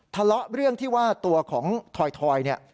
ทะเลาะเรื่องที่ว่าตัวของถอยเนี่ย